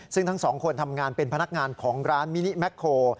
ซึ่งทั้งสองคนทำงานเป็นพนักงานของร้านมินิแมคโค